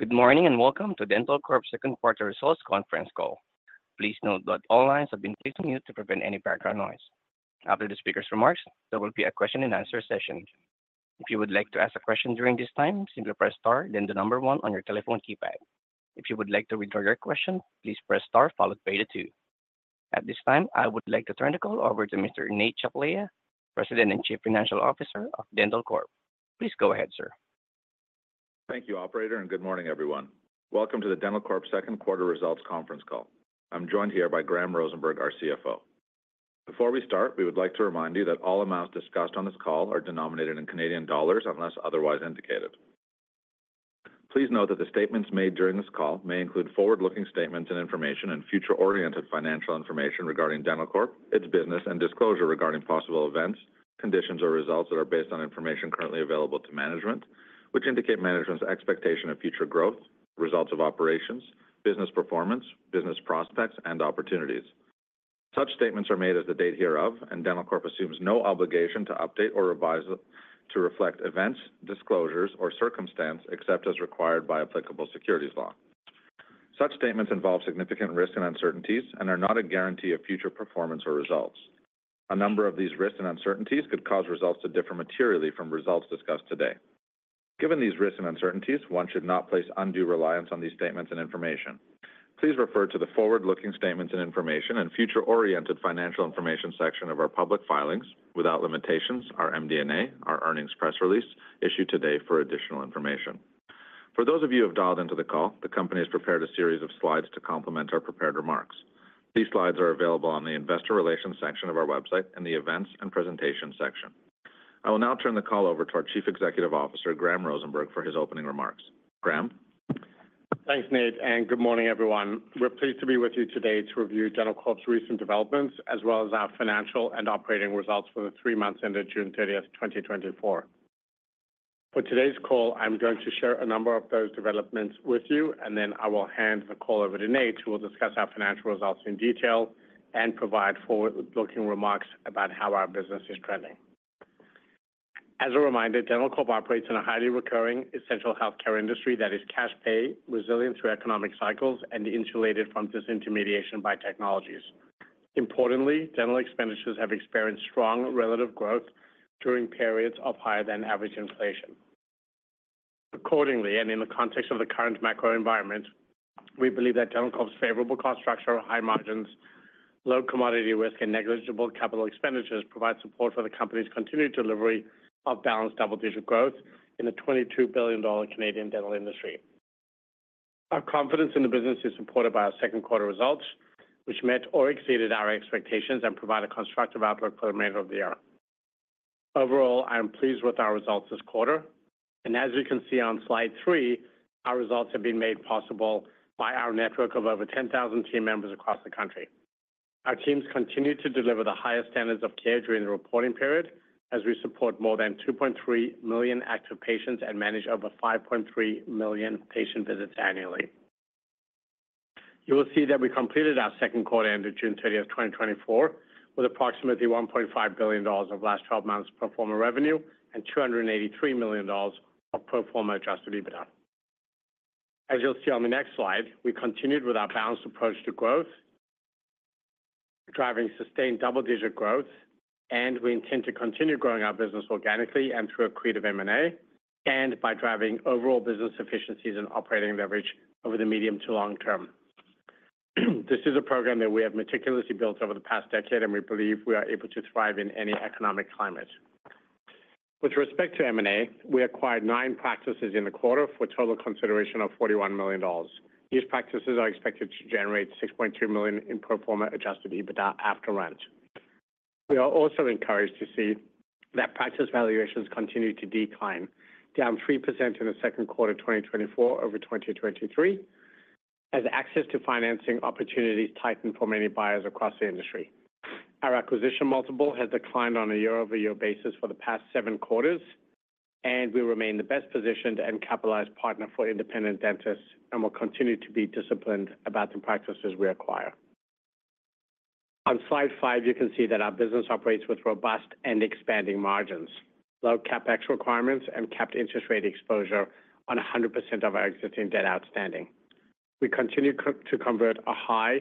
Good morning, and welcome to Dentalcorp's Second Quarter Results Conference Call. Please note that all lines have been placed on mute to prevent any background noise. After the speaker's remarks, there will be a question and answer session. If you would like to ask a question during this time, simply press star, then the number one on your telephone keypad. If you would like to withdraw your question, please press star followed by the two. At this time, I would like to turn the call over to Mr. Nate Tchaplia, President and Chief Financial Officer of Dentalcorp. Please go ahead, sir. Thank you, operator, and good morning, everyone. Welcome to the Dentalcorp Second Quarter Results Conference Call. I'm joined here by Graham Rosenberg, our CFO. Before we start, we would like to remind you that all amounts discussed on this call are denominated in Canadian dollars, unless otherwise indicated. Please note that the statements made during this call may include forward-looking statements and information and future-oriented financial information regarding Dentalcorp, its business, and disclosure regarding possible events, conditions, or results that are based on information currently available to management, which indicate management's expectation of future growth, results of operations, business performance, business prospects, and opportunities. Such statements are made as of the date hereof, and Dentalcorp assumes no obligation to update or revise it to reflect events, disclosures or circumstances, except as required by applicable securities law. Such statements involve significant risks and uncertainties and are not a guarantee of future performance or results. A number of these risks and uncertainties could cause results to differ materially from results discussed today. Given these risks and uncertainties, one should not place undue reliance on these statements and information. Please refer to the forward-looking statements and information and future-oriented financial information section of our public filings, without limitations, our MD&A, our earnings press release issued today for additional information. For those of you who have dialed into the call, the company has prepared a series of slides to complement our prepared remarks. These slides are available on the Investor Relations section of our website in the Events and Presentation section. I will now turn the call over to our Chief Executive Officer, Graham Rosenberg, for his opening remarks. Graham? Thanks, Nate, and good morning, everyone. We're pleased to be with you today to review Dentalcorp's recent developments, as well as our financial and operating results for the three months ended June 30 of 2024. For today's call, I'm going to share a number of those developments with you, and then I will hand the call over to Nate, who will discuss our financial results in detail and provide forward-looking remarks about how our business is trending. As a reminder, Dentalcorp operates in a highly recurring, essential healthcare industry that is cash-pay, resilient through economic cycles, and insulated from disintermediation by technologies. Importantly, dental expenditures have experienced strong relative growth during periods of higher-than-average inflation. Accordingly, and in the context of the current macro environment, we believe that Dentalcorp's favorable cost structure, high margins, low commodity risk, and negligible capital expenditures provide support for the company's continued delivery of balanced double-digit growth in the 22 billion Canadian dollars Canadian dental industry. Our confidence in the business is supported by our second quarter results, which met or exceeded our expectations and provide a constructive outlook for the remainder of the year. Overall, I am pleased with our results this quarter, and as you can see on slide 3, our results have been made possible by our network of over 10,000 team members across the country. Our teams continued to deliver the highest standards of care during the reporting period, as we support more than 2.3 million active patients and manage over 5.3 million patient visits annually. You will see that we completed our second quarter ended June 30 of 2024, with approximately 1.5 billion dollars of last 12 months pro forma revenue and 283 million dollars of pro forma adjusted EBITDA. As you'll see on the next slide, we continued with our balanced approach to growth, driving sustained double-digit growth, and we intend to continue growing our business organically and through accretive M&A, and by driving overall business efficiencies and operating leverage over the medium to long term. This is a program that we have meticulously built over the past decade, and we believe we are able to thrive in any economic climate. With respect to M&A, we acquired nine practices in the quarter for a total consideration of 41 million dollars. These practices are expected to generate 6.2 million in pro forma adjusted EBITDA after rent. We are also encouraged to see that practice valuations continue to decline, down 3% in the second quarter, 2024 over 2023, as access to financing opportunities tighten for many buyers across the industry. Our acquisition multiple has declined on a year-over-year basis for the past seven quarters, and we remain the best-positioned and capitalized partner for independent dentists and will continue to be disciplined about the practices we acquire. On slide 5, you can see that our business operates with robust and expanding margins, low CapEx requirements, and capped interest rate exposure on 100% of our existing debt outstanding. We continue to convert a high,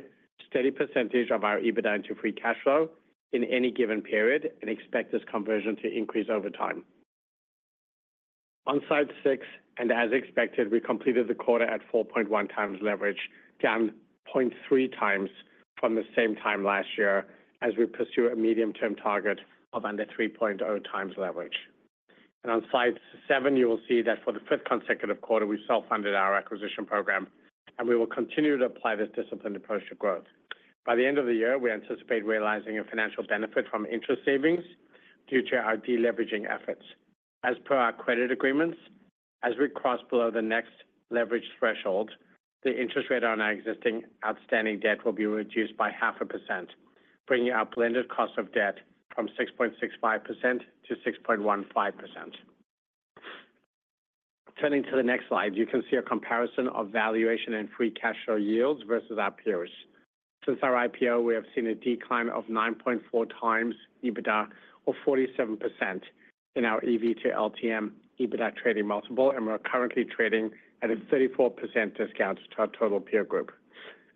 steady percentage of our EBITDA into free cash flow in any given period and expect this conversion to increase over time. On slide 6, and as expected, we completed the quarter at 4.1x leverage, down 0.3x from the same time last year, as we pursue a medium-term target of under 3.0x leverage. On slide 7, you will see that for the fifth consecutive quarter, we self-funded our acquisition program, and we will continue to apply this disciplined approach to growth. By the end of the year, we anticipate realizing a financial benefit from interest savings due to our deleveraging efforts. As per our credit agreements, as we cross below the next leverage threshold, the interest rate on our existing outstanding debt will be reduced by 0.5%, bringing our blended cost of debt from 6.65% to 6.15%. Turning to the next slide, you can see a comparison of valuation and free cash flow yields versus our peers. Since our IPO, we have seen a decline of 9.4x EBITDA, or 47% in our EV to LTM EBITDA trading multiple, and we're currently trading at a 34% discount to our total peer group.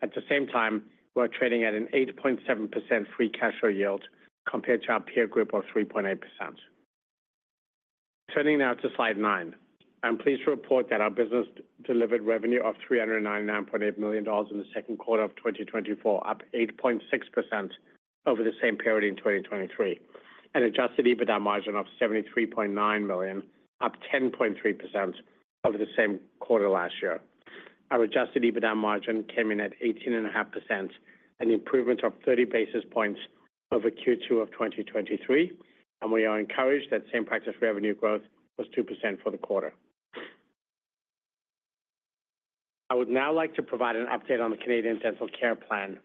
At the same time, we're trading at an 8.7% free cash flow yield compared to our peer group of 3.8%. Turning now to slide 9. I'm pleased to report that our business delivered revenue of 399.8 million dollars in the second quarter of 2024, up 8.6% over the same period in 2023, and adjusted EBITDA margin of 73.9 million, up 10.3% over the same quarter last year. Our adjusted EBITDA margin came in at 18.5%, an improvement of 30 basis points over Q2 of 2023, and we are encouraged that same-practice revenue growth was 2% for the quarter. I would now like to provide an update on the Canadian Dental Care Plan,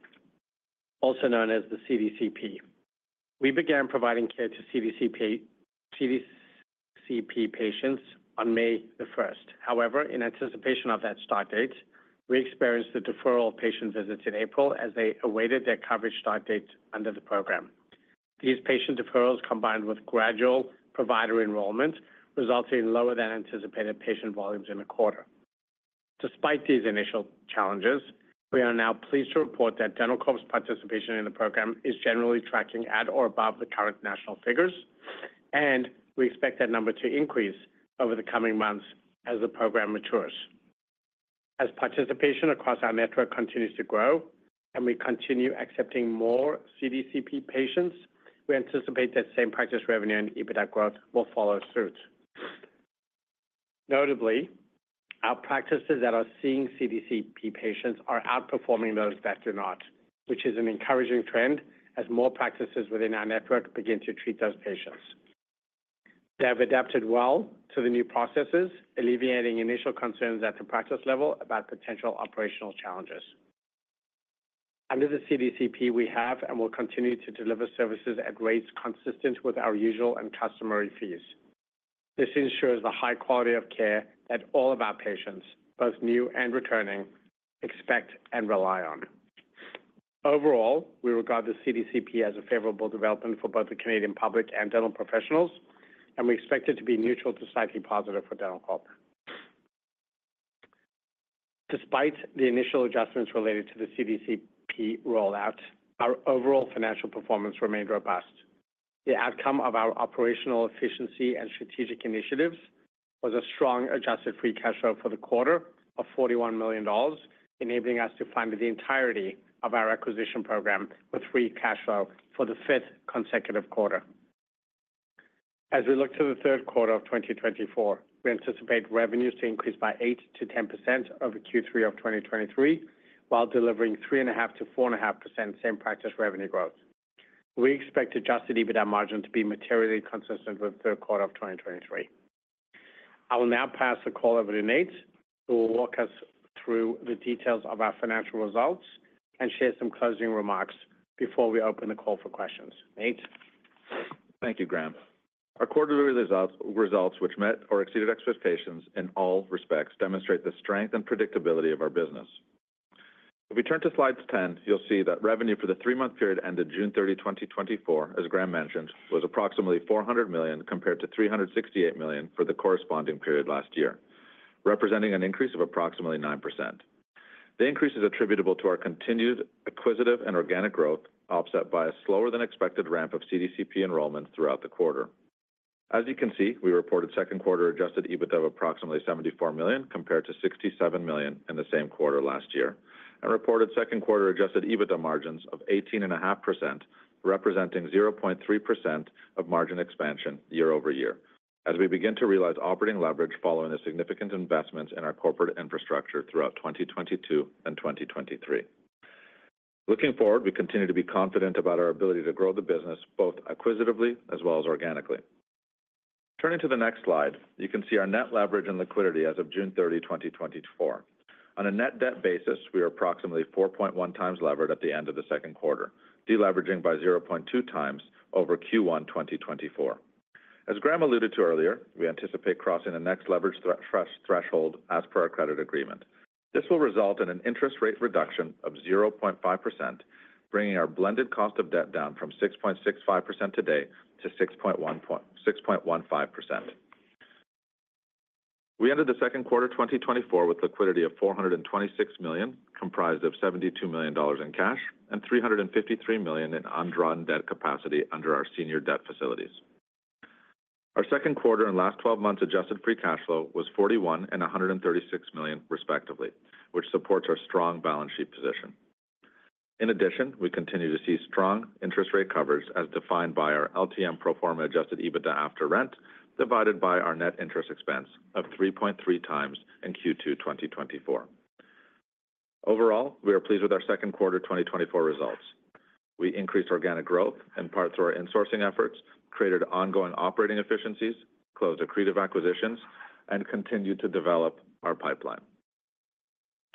also known as the CDCP. We began providing care to CDCP, CDCP patients on May 1st. However, in anticipation of that start date, we experienced the deferral of patient visits in April as they awaited their coverage start date under the program. These patient deferrals, combined with gradual provider enrollment, resulted in lower than anticipated patient volumes in the quarter. Despite these initial challenges, we are now pleased to report that Dentalcorp's participation in the program is generally tracking at or above the current national figures, and we expect that number to increase over the coming months as the program matures. As participation across our network continues to grow and we continue accepting more CDCP patients, we anticipate that same-practice revenue and EBITDA growth will follow suit. Notably, our practices that are seeing CDCP patients are outperforming those that do not, which is an encouraging trend as more practices within our network begin to treat those patients. They have adapted well to the new processes, alleviating initial concerns at the practice level about potential operational challenges. Under the CDCP, we have and will continue to deliver services at rates consistent with our usual and customary fees. This ensures the high quality of care that all of our patients, both new and returning, expect and rely on. Overall, we regard the CDCP as a favorable development for both the Canadian public and dental professionals, and we expect it to be neutral to slightly positive for Dentalcorp. Despite the initial adjustments related to the CDCP rollout, our overall financial performance remained robust. The outcome of our operational efficiency and strategic initiatives was a strong adjusted free cash flow for the quarter of 41 million dollars, enabling us to fund the entirety of our acquisition program with free cash flow for the fifth consecutive quarter. As we look to the third quarter of 2024, we anticipate revenues to increase by 8% to 10% over Q3 of 2023, while delivering 3.5% to 4.5% same-practice revenue growth. We expect Adjusted EBITDA margin to be materially consistent with the third quarter of 2023. I will now pass the call over to Nate, who will walk us through the details of our financial results and share some closing remarks before we open the call for questions. Nate? Thank you, Graham. Our quarterly results, which met or exceeded expectations in all respects, demonstrate the strength and predictability of our business. If we turn to slide 10, you'll see that revenue for the three-month period ended June 30, 2024, as Graham mentioned, was approximately 400 million, compared to 368 million for the corresponding period last year, representing an increase of approximately 9%. The increase is attributable to our continued acquisitive and organic growth, offset by a slower than expected ramp of CDCP enrollment throughout the quarter. As you can see, we reported second quarter adjusted EBITDA of approximately 74 million, compared to 67 million in the same quarter last year, and reported second quarter adjusted EBITDA margins of 18.5%, representing 0.3% of margin expansion year-over-year. As we begin to realize operating leverage following a significant investment in our corporate infrastructure throughout 2022 and 2023. Looking forward, we continue to be confident about our ability to grow the business, both acquisitively as well as organically. Turning to the next slide, you can see our net leverage and liquidity as of June 30, 2024. On a net debt basis, we are approximately 4.1x levered at the end of the second quarter, deleveraging by 0.2x over Q1 2024. As Graham alluded to earlier, we anticipate crossing the next leverage threshold as per our credit agreement. This will result in an interest rate reduction of 0.5%, bringing our blended cost of debt down from 6.65% today to 6.15%. We ended the second quarter of 2024 with liquidity of 426 million, comprised of 72 million dollars in cash and 353 million in undrawn debt capacity under our senior debt facilities. Our second quarter and last 12 months adjusted free cash flow was 41 million and 136 million, respectively, which supports our strong balance sheet position. In addition, we continue to see strong interest rate coverage, as defined by our LTM pro forma adjusted EBITDA after rent, divided by our net interest expense of 3.3x in Q2 2024. Overall, we are pleased with our second quarter 2024 results. We increased organic growth in part through our insourcing efforts, created ongoing operating efficiencies, closed accretive acquisitions, and continued to develop our pipeline.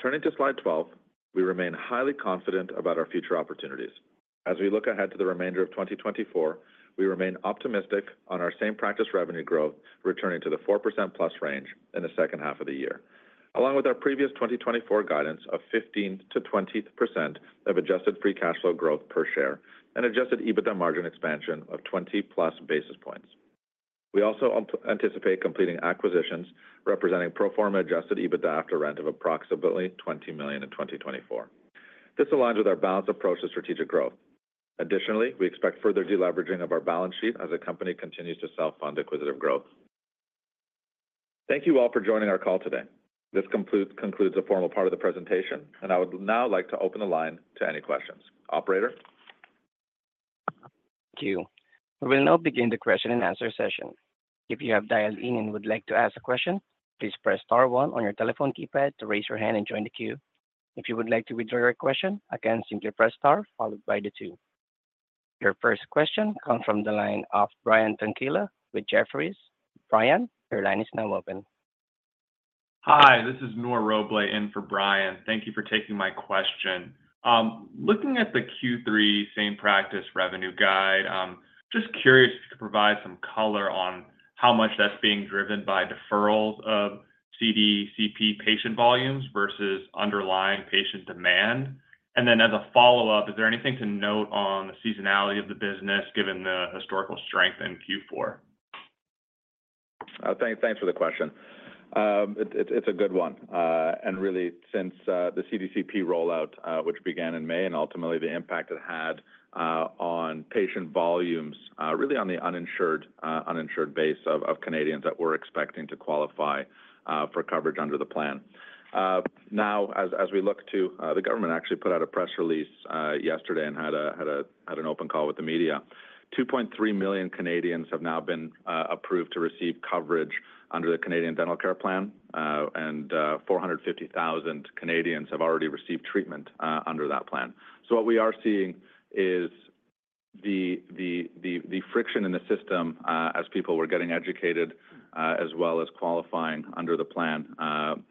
Turning to slide 12, we remain highly confident about our future opportunities. As we look ahead to the remainder of 2024, we remain optimistic on our same practice revenue growth, returning to the 4%+ range in the second half of the year. Along with our previous 2024 guidance of 15% to 20% of adjusted free cash flow growth per share and adjusted EBITDA margin expansion of 20+ basis points. We also anticipate completing acquisitions representing pro forma adjusted EBITDA after rent of approximately 20 million in 2024. This aligns with our balanced approach to strategic growth. Additionally, we expect further deleveraging of our balance sheet as the company continues to self-fund acquisitive growth. Thank you all for joining our call today. This concludes the formal part of the presentation, and I would now like to open the line to any questions. Operator? Thank you. We will now begin the question and answer session. If you have dialed in and would like to ask a question, please press star one on your telephone keypad to raise your hand and join the queue. If you would like to withdraw your question, again, simply press star followed by the two. Your first question comes from the line of Brian Tanquilut with Jefferies. Brian, your line is now open. Hi, this is Nur Robleh in for Brian. Thank you for taking my question. Looking at the Q3 same practice revenue guide, just curious if you could provide some color on how much that's being driven by deferrals of CDCP patient volumes versus underlying patient demand? And then as a follow-up, is there anything to note on the seasonality of the business, given the historical strength in Q4? Thanks for the question. It's a good one. And really, since the CDCP rollout, which began in May, and ultimately the impact it had on patient volumes, really on the uninsured base of Canadians that were expecting to qualify for coverage under the plan. Now, as we look to the government actually put out a press release yesterday and had an open call with the media. 2.3 million Canadians have now been approved to receive coverage under the Canadian Dental Care Plan, and 450,000 Canadians have already received treatment under that plan. So what we are seeing is the friction in the system, as people were getting educated, as well as qualifying under the plan,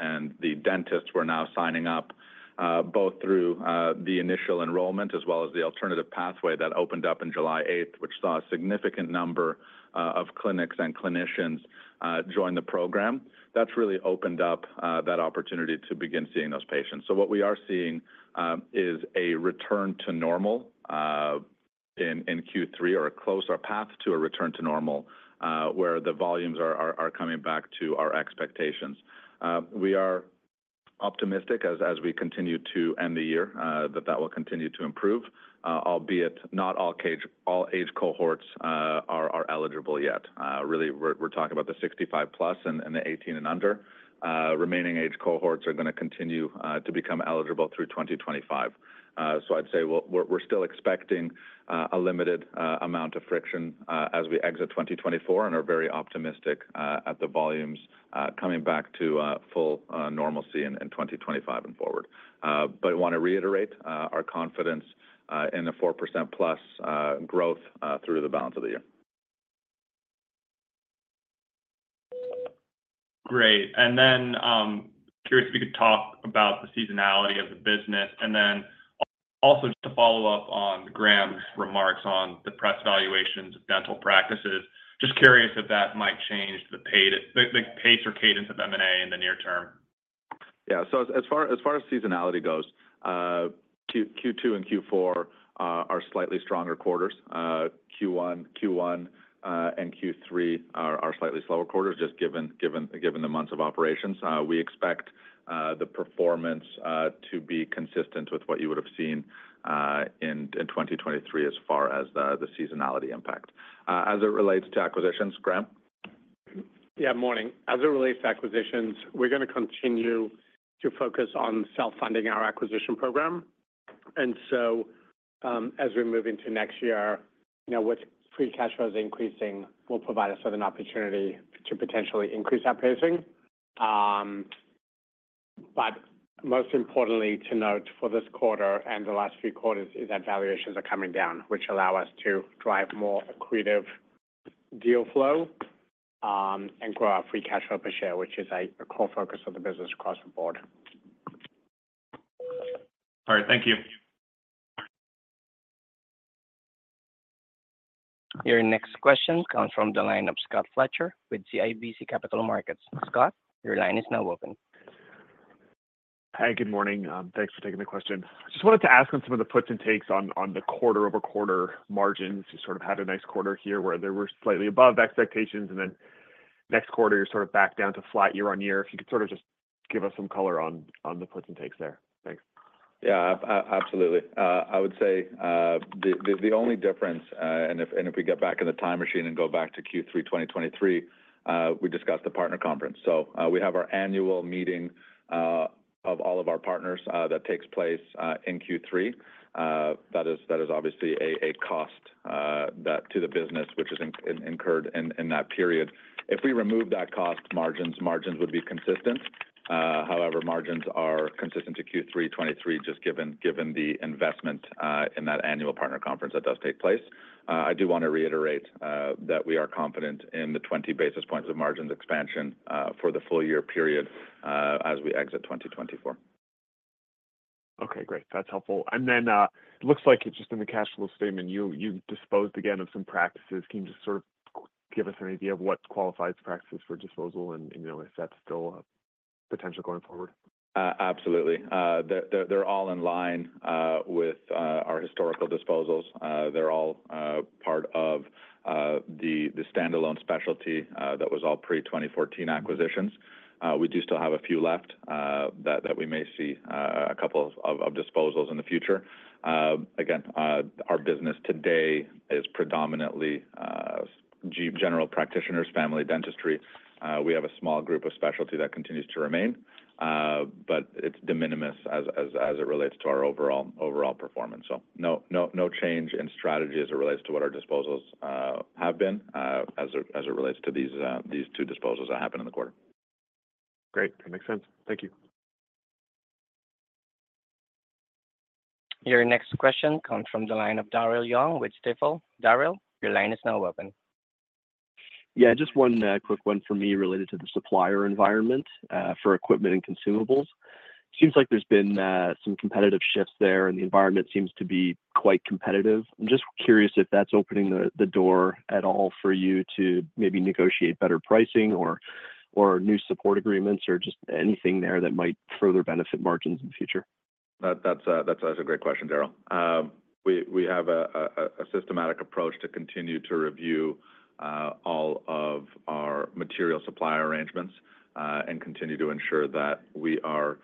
and the dentists were now signing up, both through the initial enrollment as well as the alternative pathway that opened up in July 8th, which saw a significant number of clinics and clinicians join the program. That's really opened up that opportunity to begin seeing those patients. So what we are seeing is a return to normal in Q3, or a closer path to a return to normal, where the volumes are coming back to our expectations. We are optimistic as we continue to end the year, that that will continue to improve, albeit not all age cohorts are eligible yet. Really, we're talking about the 65+ and the 18 and under. Remaining age cohorts are going to continue to become eligible through 2025. So I'd say we're still expecting a limited amount of friction as we exit 2024 and are very optimistic at the volumes coming back to full normalcy in 2025 and forward. But I want to reiterate our confidence in the 4%+ growth through the balance of the year. Great. And then, curious if you could talk about the seasonality of the business, and then also just to follow up on Graham's remarks on the press valuations of dental practices. Just curious if that might change the pace or cadence of M&A in the near term. Yeah. So as far as seasonality goes, Q2 and Q4 are slightly stronger quarters. Q1 and Q3 are slightly slower quarters, just given the months of operations. We expect the performance to be consistent with what you would have seen in 2023 as far as the seasonality impact. As it relates to acquisitions, Graham? Yeah, morning. As it relates to acquisitions, we're going to continue to focus on self-funding our acquisition program. And so, as we move into next year, you know, with free cash flows increasing, will provide us with an opportunity to potentially increase our pacing. But most importantly to note for this quarter and the last few quarters is that valuations are coming down, which allow us to drive more accretive deal flow, and grow our free cash flow per share, which is a core focus of the business across the board. All right. Thank you. Your next question comes from the line of Scott Fletcher with CIBC Capital Markets. Scott, your line is now open. Hi, good morning. Thanks for taking the question. Just wanted to ask on some of the puts and takes on the quarter-over-quarter margins. You sort of had a nice quarter here where there were slightly above expectations, and then next quarter, you're sort of back down to flat year-over-year. If you could sort of just give us some color on the puts and takes there. Thanks. Yeah, absolutely. I would say the only difference, and if we get back in the time machine and go back to Q3 2023, we discussed the partner conference. So, we have our annual meeting of all of our partners that takes place in Q3. That is obviously a cost to the business, which is incurred in that period. If we remove that cost, margins would be consistent. However, margins are consistent to Q3 2023, just given the investment in that annual partner conference that does take place. I do want to reiterate that we are confident in the 20 basis points of margins expansion for the full-year period as we exit 2024. Okay, great. That's helpful. And then, it looks like it's just in the cash flow statement, you disposed again of some practices. Can you just sort of give us an idea of what qualifies practices for disposal, and, you know, is that still a potential going forward? Absolutely. They're all in line with our historical disposals. They're all part of the standalone specialty that was all pre-2014 acquisitions. We do still have a few left that we may see a couple of disposals in the future. Again, our business today is predominantly general practitioners, family dentistry. We have a small group of specialty that continues to remain, but it's de minimis as it relates to our overall performance. So no change in strategy as it relates to what our disposals have been, as it relates to these two disposals that happened in the quarter. Great. That makes sense. Thank you. Your next question comes from the line of Daryl Young with Stifel. Darryl, your line is now open. Yeah, just one quick one for me related to the supplier environment for equipment and consumables. Seems like there's been some competitive shifts there, and the environment seems to be quite competitive. I'm just curious if that's opening the door at all for you to maybe negotiate better pricing or new support agreements, or just anything there that might further benefit margins in the future. That's a great question, Darryl. We have a systematic approach to continue to review all of our material supply arrangements, and continue to ensure that we are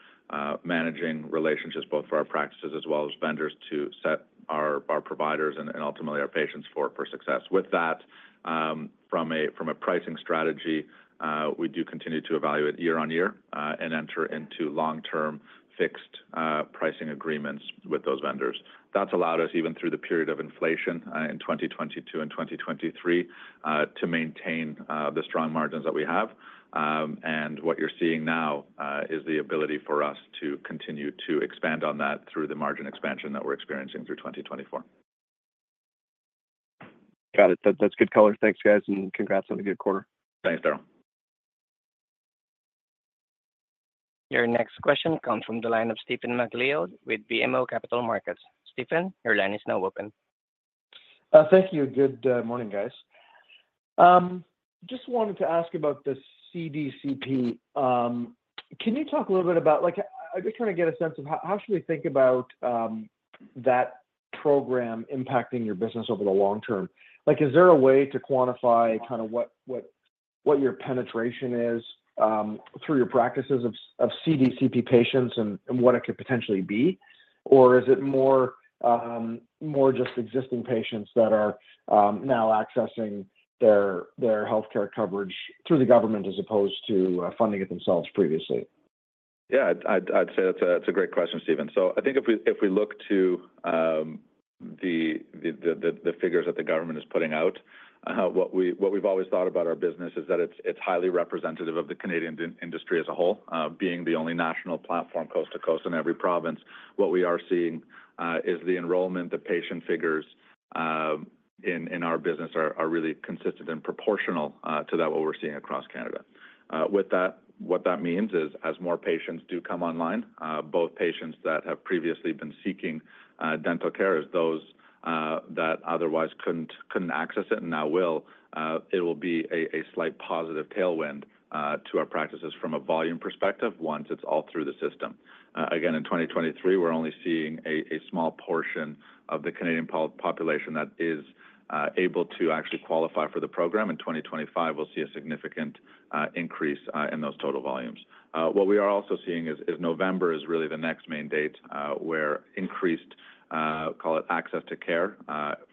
managing relationships both for our practices as well as vendors, to set our providers and ultimately our patients for success. With that, from a pricing strategy, we do continue to evaluate year on year, and enter into long-term fixed pricing agreements with those vendors. That's allowed us, even through the period of inflation in 2022 and 2023, to maintain the strong margins that we have. And what you're seeing now is the ability for us to continue to expand on that through the margin expansion that we're experiencing through 2024. Got it. That, that's good color. Thanks, guys, and congrats on a good quarter. Thanks, Darryl. Your next question comes from the line of Stephen MacLeod with BMO Capital Markets. Stephen, your line is now open. Thank you. Good morning, guys. Just wanted to ask about the CDCP. Can you talk a little bit about, like I'm just trying to get a sense of how we should think about that program impacting your business over the long term? Like, is there a way to quantify kind of what your penetration is through your practices of CDCP patients and what it could potentially be or is it more just existing patients that are now accessing their healthcare coverage through the government as opposed to funding it themselves previously? Yeah, I'd say that's a great question, Stephen. So I think if we look to the figures that the government is putting out, what we've always thought about our business is that it's highly representative of the Canadian dental industry as a whole, being the only national platform coast to coast in every province. What we are seeing is the enrollment of patient figures in our business are really consistent and proportional to what we're seeing across Canada. With that, what that means is, as more patients do come online, both patients that have previously been seeking dental care, as those that otherwise couldn't access it and now will, it will be a slight positive tailwind to our practices from a volume perspective, once it's all through the system. Again, in 2023, we're only seeing a small portion of the Canadian population that is able to actually qualify for the program. In 2025, we'll see a significant increase in those total volumes. What we are also seeing is November is really the next main date, where increased call it access to care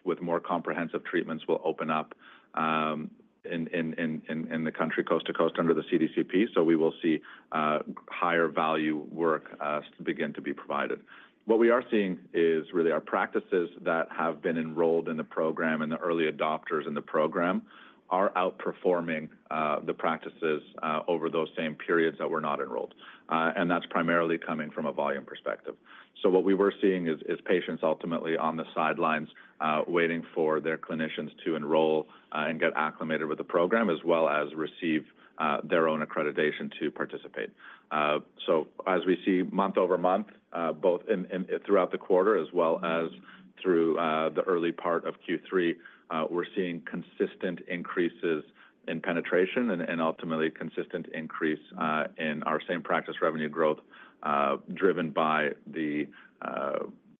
with more comprehensive treatments will open up in the country, coast to coast, under the CDCP. So we will see higher value work begin to be provided. What we are seeing is really our practices that have been enrolled in the program and the early adopters in the program are outperforming the practices over those same periods that were not enrolled. And that's primarily coming from a volume perspective. So what we were seeing is patients ultimately on the sidelines waiting for their clinicians to enroll and get acclimated with the program, as well as receive their own accreditation to participate. So as we see month-over-month both in throughout the quarter, as well as through the early part of Q3, we're seeing consistent increases in penetration and ultimately consistent increase in our same-practice revenue growth driven by the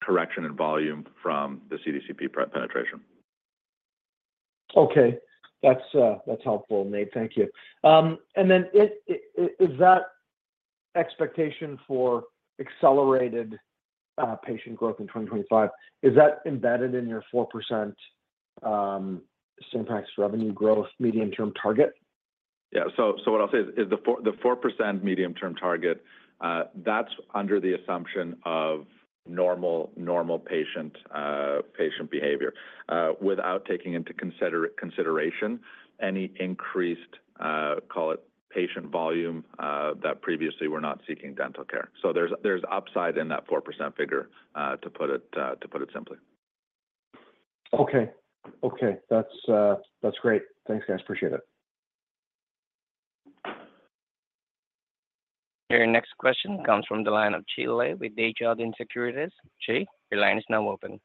correction in volume from the CDCP pre-penetration. Okay. That's helpful, Nate. Thank you. And then is that expectation for accelerated patient growth in 2025, is that embedded in your 4% same-practice revenue growth medium-term target? Yeah. So what I'll say is, the 4% medium-term target, that's under the assumption of normal patient behavior, without taking into consideration any increased, call it, patient volume that previously were not seeking dental care. So there's upside in that 4% figure, to put it simply. Okay. Okay. That's, that's great. Thanks, guys. Appreciate it. Your next question comes from the line of Chi Lei with Desjardins Securities. Chi, your line is now open.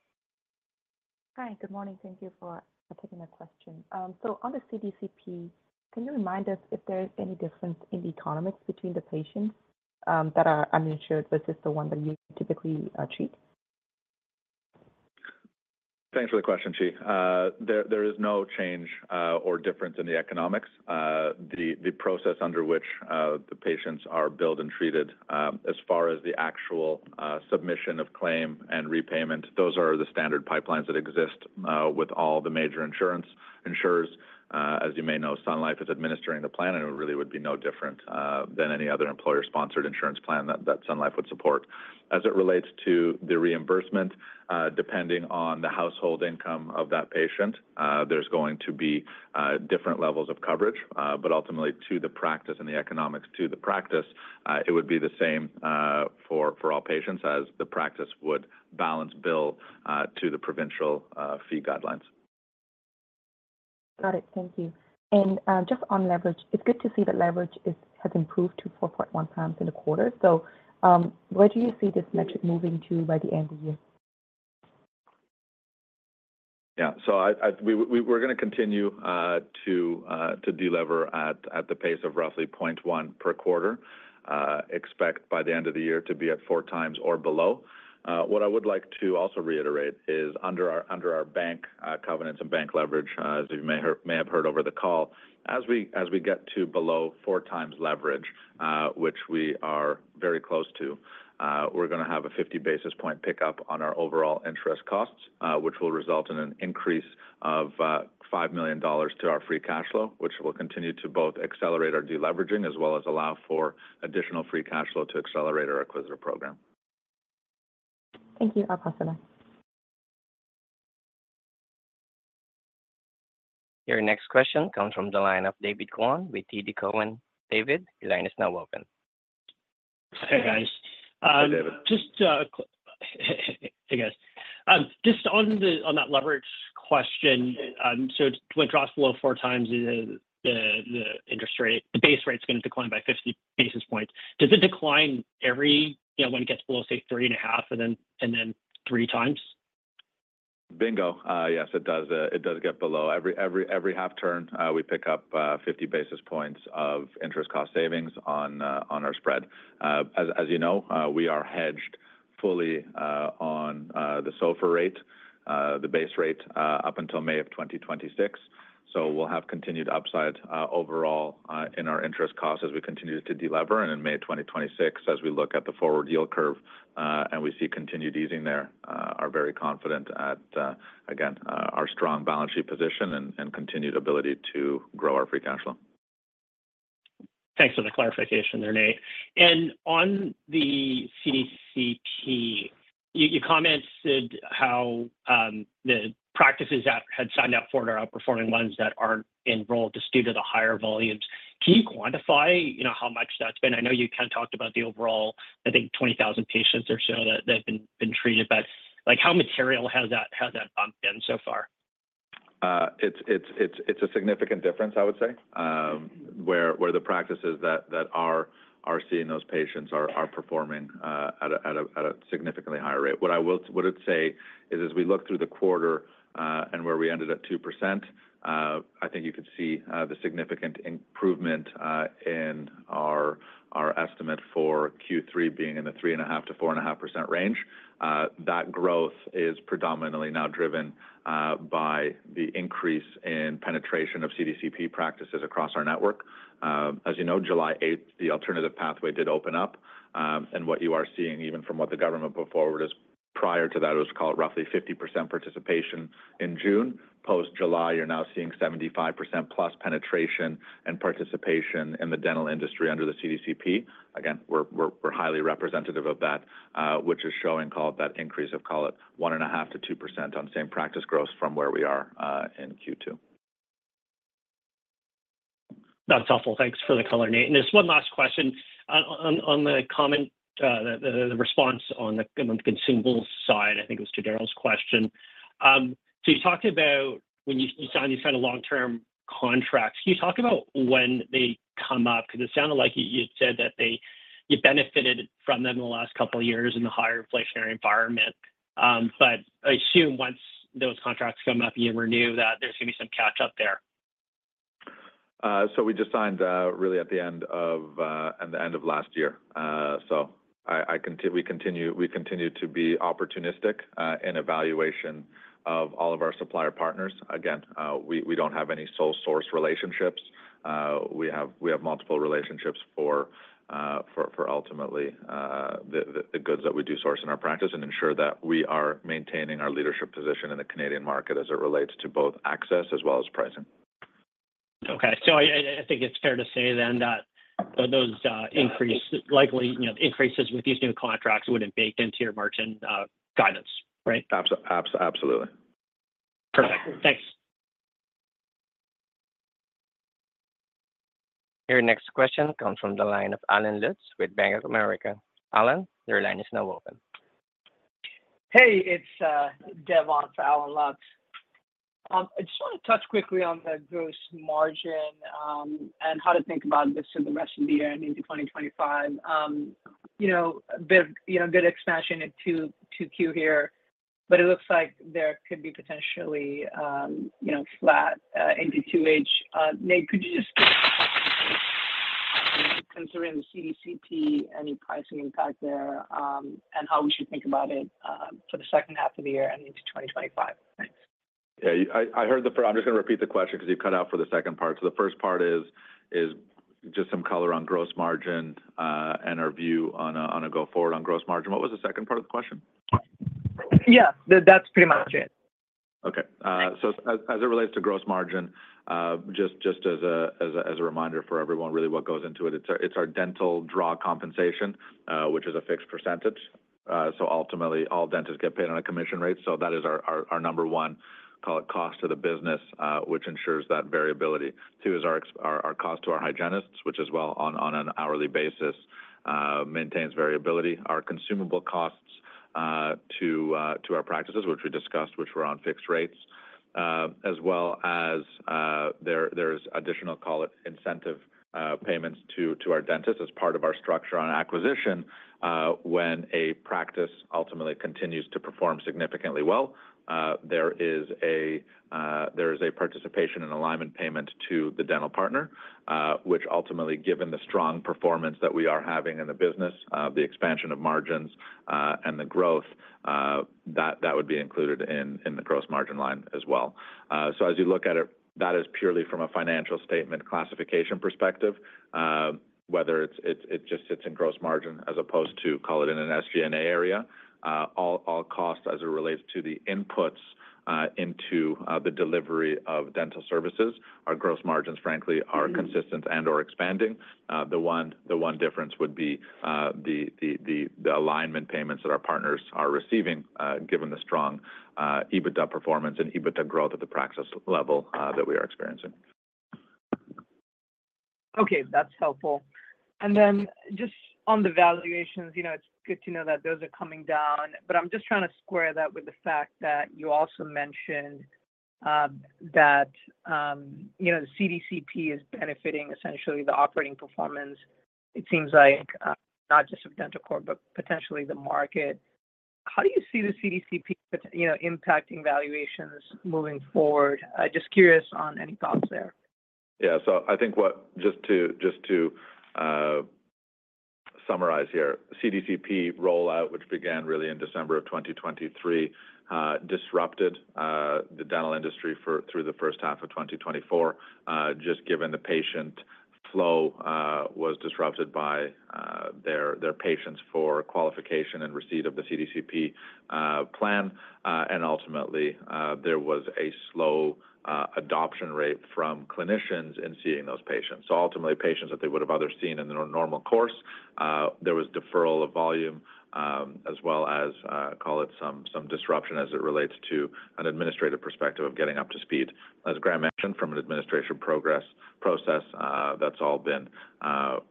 Hi. Good morning. Thank you for taking my question. So on the CDCP, can you remind us if there is any difference in the economics between the patients that are uninsured versus the one that you typically treat? Thanks for the question, Chi. There is no change or difference in the economics. The process under which the patients are billed and treated, as far as the actual submission of claim and repayment, those are the standard pipelines that exist with all the major insurance insurers. As you may know, Sun Life is administering the plan, and it really would be no different than any other employer-sponsored insurance plan that Sun Life would support. As it relates to the reimbursement, depending on the household income of that patient, there's going to be different levels of coverage. But ultimately, to the practice and the economics to the practice, it would be the same for all patients as the practice would balance bill to the provincial fee guidelines. Got it. Thank you. Just on leverage, it's good to see that leverage has improved to 4.1x in the quarter. So, where do you see this metric moving to by the end of the year? Yeah. So we're going to continue to delever at the pace of roughly 0.1 per quarter. Expect by the end of the year to be at 4x or below. What I would like to also reiterate is under our bank covenants and bank leverage, as you may have heard over the call, as we get to below 4x leverage, which we are very close to, we're going to have a 50 basis point pickup on our overall interest costs, which will result in an increase of 5 million dollars to our free cash flow, which will continue to both accelerate our deleveraging as well as allow for additional free cash flow to accelerate our acquisition program. Thank you. I'll pass it on. Your next question comes from the line of David Kwan with TD Cowen. David, your line is now open. Hey, guys. Hey, David. Just, hey, guys. Just on that leverage question, so when it drops below 4x the interest rate, the base rate's going to decline by 50 basis points. Does it decline every, yeah, when it gets below, say, 3.5x, and then 3x? Bingo. Yes, it does get below. Every half turn, we pick up 50 basis points of interest cost savings on our spread. As you know, we are hedged fully on the SOFR rate, the base rate, up until May 2026. So we'll have continued upside overall in our interest costs as we continue to delever. And in May 2026, as we look at the forward yield curve, and we see continued easing there, are very confident at, again, our strong balance sheet position and continued ability to grow our free cash flow. Thanks for the clarification there, Nate. On the CDCP, you commented how the practices that had signed up for it are outperforming ones that aren't enrolled just due to the higher volumes. Can you quantify, you know, how much that's been? I know you kind of talked about the overall, I think, 20,000 patients or so that have been treated, but, like, how material has that bump been so far? It's a significant difference, I would say. Where the practices that are seeing those patients are performing at a significantly higher rate. What I'd say is, as we look through the quarter, and where we ended at 2%, I think you could see the significant improvement in our estimate for Q3 being in the 3.5% to 4.5% range. That growth is predominantly now driven by the increase in penetration of CDCP practices across our network. As you know, July eighth, the alternative pathway did open up, and what you are seeing, even from what the government put forward, is prior to that, it was called roughly 50% participation in June. Post-July, you're now seeing 75% plus penetration and participation in the dental industry under the CDCP. Again, we're highly representative of that, which is showing, call it, that increase of, call it, 1.5% to 2% on same practice growth from where we are in Q2. That's helpful. Thanks for the color, Nate. Just one last question. On the comment, the response on the consumables side, I think it was to Darryl's question. So you talked about when you signed these kind of long-term contracts. Can you talk about when they come up? Because it sounded like you said that you benefited from them in the last couple of years in the higher inflationary environment. But I assume once those contracts come up, you renew, that there's going to be some catch-up there. So we just signed, really at the end of last year. So we continue to be opportunistic in evaluation of all of our supplier partners. Again, we don't have any sole source relationships. We have multiple relationships for ultimately the goods that we do source in our practice and ensure that we are maintaining our leadership position in the Canadian market as it relates to both access as well as pricing. Okay. So I think it's fair to say then that those likely, you know, increases with these new contracts wouldn't bake into your margin guidance, right? Absolutely. Perfect. Thanks. Your next question comes from the line of Allen Lutz with Bank of America. Alan, your line is now open. Hey, it's Devon for Allen Lutz. I just want to touch quickly on the gross margin, and how to think about this in the rest of the year and into 2025. You know, big, you know, good expansion in 2Q here, but it looks like there could be potentially, you know, flat into 2H. Nate, could you just considering the CDCP, any pricing impact there, and how we should think about it for the second half of the year and into 2025? Thanks. Yeah, I heard the first. I'm just going to repeat the question because you've cut out for the second part. So the first part is just some color on gross margin and our view on a go forward on gross margin. What was the second part of the question? Yeah, that's pretty much it. Okay. So as it relates to gross margin, just as a reminder for everyone, really what goes into it, it's our dental draw compensation, which is a fixed percentage. So ultimately, all dentists get paid on a commission rate. So that is our number one, call it cost to the business, which ensures that variability. Two is our cost to our hygienists, which as well on an hourly basis maintains variability. Our consumable costs to our practices, which we discussed, which were on fixed rates. As well as, there's additional, call it, incentive payments to our dentists as part of our structure on acquisition. When a practice ultimately continues to perform significantly well, there is a participation and alignment payment to the dental partner. Which ultimately, given the strong performance that we are having in the business, the expansion of margins, and the growth, that would be included in the gross margin line as well. So as you look at it, that is purely from a financial statement classification perspective, whether it just sits in gross margin as opposed to call it in an SG&A area. All costs as it relates to the inputs into the delivery of dental services, our gross margins, frankly, are consistent and, or expanding. The one difference would be the alignment payments that our partners are receiving, given the strong EBITDA performance and EBITDA growth at the practice level, that we are experiencing. Okay, that's helpful. And then just on the valuations, you know, it's good to know that those are coming down, but I'm just trying to square that with the fact that you also mentioned that you know, the CDCP is benefiting essentially the operating performance, it seems like, not just of Dentalcorp, but potentially the market. How do you see the CDCP, you know, impacting valuations moving forward? Just curious on any thoughts there. Yeah. So I think what, just to, just to, summarize here, CDCP rollout, which began really in December of 2023, disrupted the dental industry through the first half of 2024. Just given the patient flow was disrupted by their patients' qualification and receipt of the CDCP plan. And ultimately, there was a slow adoption rate from clinicians in seeing those patients. So ultimately, patients that they would have otherwise seen in the normal course, there was deferral of volume, as well as call it some disruption as it relates to an administrative perspective of getting up to speed. As Graham mentioned, from an administrative process, that's all been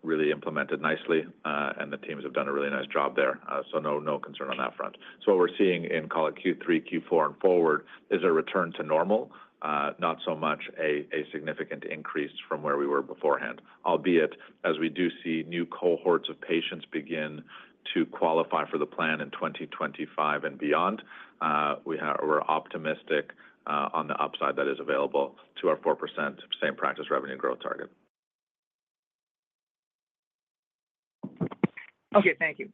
really implemented nicely, and the teams have done a really nice job there. So no, no concern on that front. So what we're seeing in, call it Q3, Q4 and forward, is a return to normal, not so much a, a significant increase from where we were beforehand. Albeit, as we do see new cohorts of patients begin to qualify for the plan in 2025 and beyond, we are, we're optimistic, on the upside that is available to our 4% same-practice revenue growth target. Okay, thank you.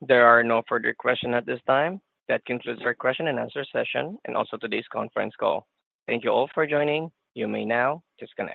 There are no further questions at this time. That concludes our question and answer session and also today's conference call. Thank you all for joining. You may now disconnect.